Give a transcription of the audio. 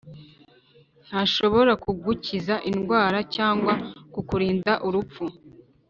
ntashobora kugukiza indwara cyangwa kukurinda urupfu